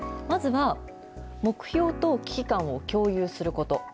まずは目標と危機感を共有すること。